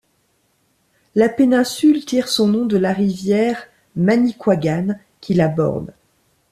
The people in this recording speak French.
La péninsule tire son nom de la rivière Manicouagan qui la borde.